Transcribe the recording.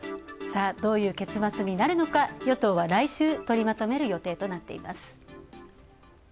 どういう結末になるのか、与党は来週取りまとめる予定となっています。